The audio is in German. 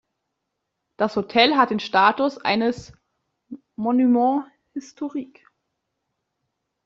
Das Hotel hat den Status eines Monument historique.